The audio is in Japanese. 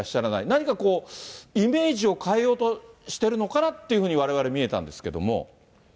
何かこう、イメージを変えようとしてるのかなっていうふうに、われわれ見えたんですけれども。